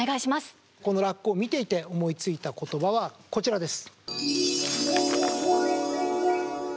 このラッコを見ていて思いついた言葉はこちらです。